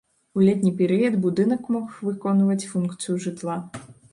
У летні перыяд будынак мог выконваць функцыю жытла.